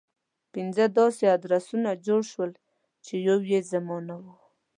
پنځه داسې ادرسونه جوړ شول چې يو يې زما نه و.